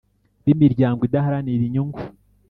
B imiryango idaharanira inyungu